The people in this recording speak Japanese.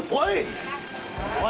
おい！